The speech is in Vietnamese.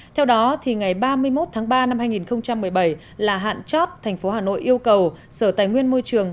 theo đó ngày ba mươi một tháng ba năm hai nghìn một mươi bảy là hạn chót thành phố hà nội yêu cầu sở tài nguyên môi trường